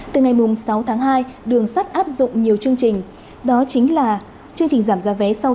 từ ngày sáu tháng hai đường sắt áp dụng nhiệm vụ